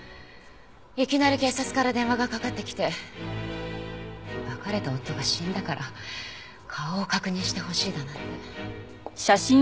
いきなり警察から電話がかかってきて別れた夫が死んだから顔を確認してほしいだなんて。